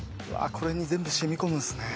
これに全部染み込むんですね。